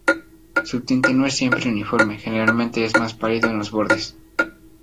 Su tinte no es siempre uniforme, generalmente es más pálido en los bordes.